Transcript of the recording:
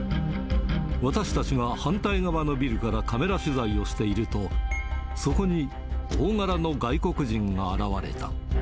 私たちが反対側のビルからカメラ取材をしていると、そこに大柄の外国人が現れた。